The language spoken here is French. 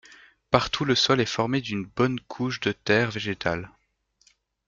Partout le sol est formé d'une bonne couche de terre végétale.